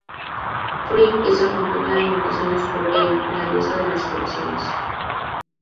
Frigg es acompañada en ocasiones por Eir, la diosa de las curaciones.